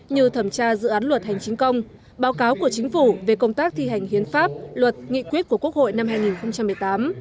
như thẩm tra dự án luật hành chính công báo cáo của chính phủ về công tác thi hành hiến pháp luật nghị quyết của quốc hội năm hai nghìn một mươi tám